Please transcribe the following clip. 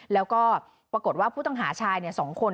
แล้วก็ปรากฏว่าผู้ต้องหาชาย๒คน